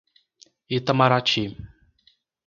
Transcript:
Itamarati